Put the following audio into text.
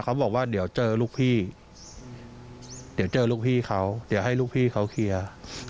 เขาบอกว่าเดี๋ยวเจอลูกพี่เดี๋ยวเจอลูกพี่เขาเดี๋ยวให้ลูกพี่เขาเคลียร์